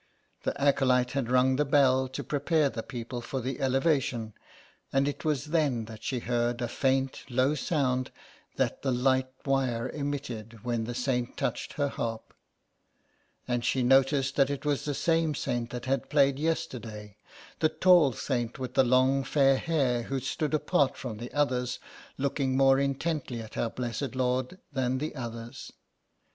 The acolyte had rung the bell to prepare the people for the Elevation, and it was then that she heard a faint low sound that the light wire emitted when the saint touched her harp, and she noticed that it was the same saint that had played yesterday, the tall saint with the long fair hair who stood apart from the others, looking more intently at Our Blessed Lord than the others.